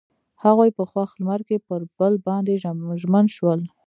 هغوی په خوښ لمر کې پر بل باندې ژمن شول.